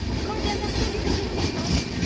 これでわたしデビューできるんですか？